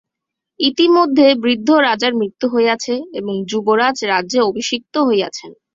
ইতিমধ্যে বৃদ্ধ রাজার মৃত্যু হইয়াছে এবং যুবরাজ রাজ্যে অভিষিক্ত হইয়াছেন।